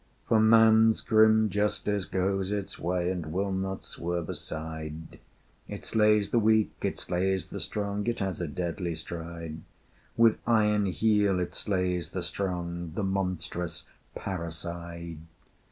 For Man's grim Justice goes its way, And will not swerve aside: It slays the weak, it slays the strong, It has a deadly stride: With iron heel it slays the strong, The monstrous parricide!